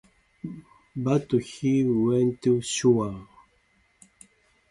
But he wasn't sure.